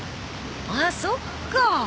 あっそっか。